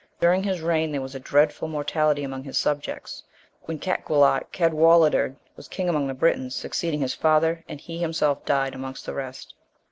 During his reign, there was a dreadful mortality among his subjects, when Catgualart (Cadwallader) was king among the Britons, succeeding his father, and he himself died amongst the rest.